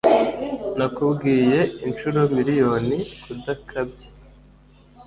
Nakubwiye inshuro miriyoni kudakabya.